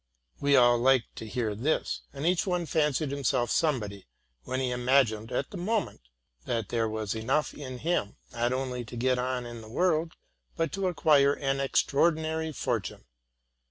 We all liked to hear this ; and each one fancied himself somebody, when he imagined, at the moment, that there was enough in him, not only to get on in the world, but to acquire an extraor dinary fortune.